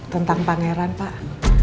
tentang pangeran pak